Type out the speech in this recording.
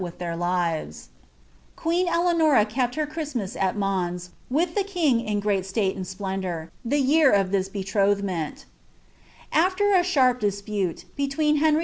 i thtir bves, Queen Eleononi kept her Chrislniaa at Maoa, with the king, iii groU ■lale and splendour, the year of this betrothmenU ATief a sharp diepule, between Henry IJ.